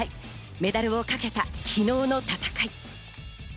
メダルをかけた昨日の戦い。